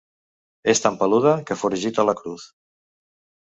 És tan peluda que foragita la Cruz.